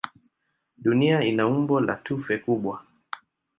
Dunia ina umbo la tufe kubwa.